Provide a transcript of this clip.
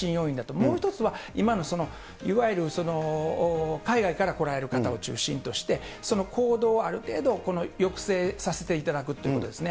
もう一つは今のその、いわゆる海外から来られる方を中心として、その行動をある程度、抑制させていただくということですね。